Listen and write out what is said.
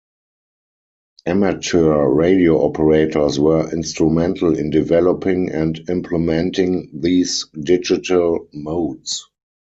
Amateur radio operators were instrumental in developing and implementing these digital modes.